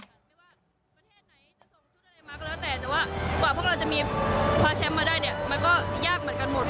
แต่ว่ากว่าพวกเราจะมีคว้าแชมป์มาได้เนี่ยมันก็ยากเหมือนกันหมด